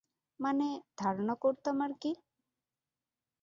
মানে, ধারণা করতাম আরকি।